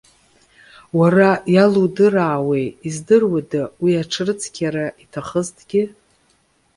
Уара иалудыраауеи, издыруада уи аҽрыцқьара иҭахызҭгьы?